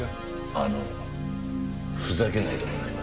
あのふざけないでもらえますか。